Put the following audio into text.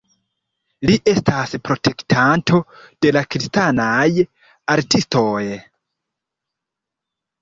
Li estas protektanto de la kristanaj artistoj.